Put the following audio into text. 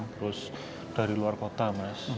terus dari luar kota mas